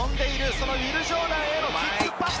そのウィル・ジョーダンへのキックパス！